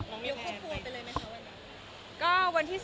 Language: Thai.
มองเยอะควบคุมไปเลยไหมคะวันนี้